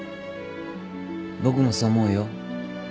僕もそう思うよ。